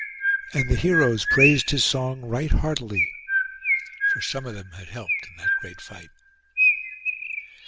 And the heroes praised his song right heartily; for some of them had helped in that great fight.